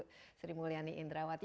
bu sri mulyani indrawati